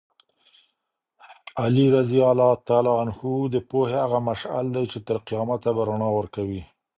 علي رض د پوهې هغه مشعل دی چې تر قیامته به رڼا ورکوي.